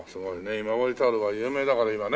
今治タオルは有名だから今ね。